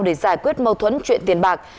để giải quyết mâu thuẫn chuyện tiền bạc